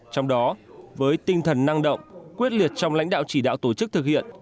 trong đó với tinh thần năng động quyết liệt trong lãnh đạo chỉ đạo tổ chức thực hiện